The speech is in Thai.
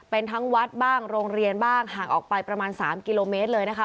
เป็นทั้งวัดบ้างโรงเรียนบ้างห่างออกไปประมาณ๓กิโลเมตรเลยนะคะ